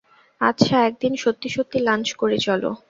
আচ্ছা, একদিন সত্যি সত্যি লাঞ্চ করি চল।